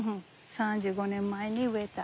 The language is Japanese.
３５年前に植えた。